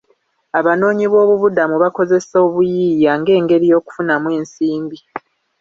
Abanoonyi boobubudamu bakozesa obuyiiya nga engeri y'okufunamu ensimbi